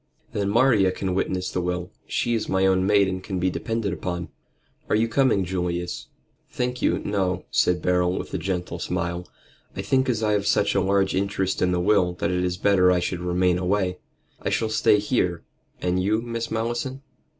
"Then Maria can witness the will. She is my own maid and can be depended upon. Are you coming, Julius?" "Thank you, no," said Beryl, with a gentle smile. "I think as I have such a large interest in the will that it is better I should remain away. I shall stay here. And you, Miss Malleson?"